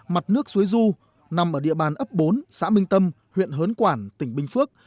mặt nước suối du nằm ở địa bàn ấp bốn xã minh tâm huyện hớn quản tỉnh bình phước